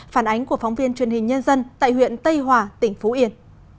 phản ánh của phóng viên truyền hình nhân dân tại huyện tây hòa tỉnh phú yên